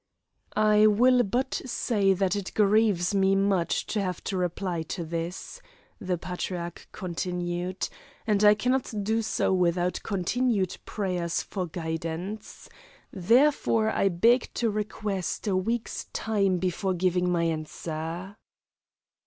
"I will but say that it grieves me much to have to reply to this," the Patriarch continued, "and I cannot do so without continued prayers for guidance. Therefore I beg to request a week's time before giving my answer."